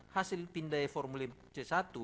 hasil pindah formulim c satu